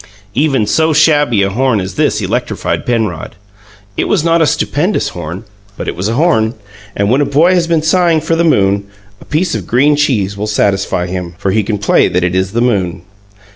Even so shabby a horn as this electrified Penrod. It was not a stupendous horn, but it was a horn, and when a boy has been sighing for the moon, a piece of green cheese will satisfy him, for he can play that it is the moon.